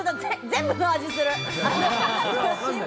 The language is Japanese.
全部の味がする。